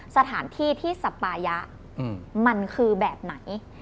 สถานที่ที่สปายะมันคือแบบไหน